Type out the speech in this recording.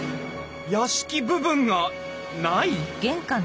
屋敷部分がない！？